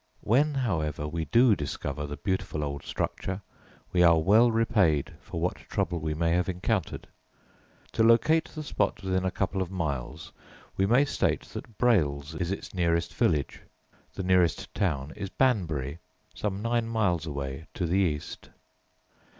When, however, we do discover the beautiful old structure, we are well repaid for what trouble we may have encountered. To locate the spot within a couple of miles, we may state that Brailes is its nearest village; the nearest town is Banbury, some nine miles away to the east.